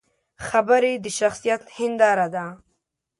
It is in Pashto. خبرې د شخصیت هنداره ده